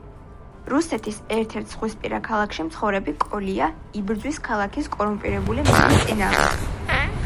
რუსეთის ერთ-ერთ ზღვისპირა ქალაქში მცხოვრები კოლია იბრძვის ქალაქის კორუმპირებული მერის წინააღმდეგ.